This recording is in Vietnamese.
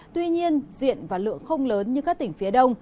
tuy nhiên diện và lượng không lớn như các tỉnh phía đông